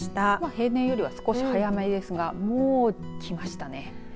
平年よりは少し早めですがもうきましたね。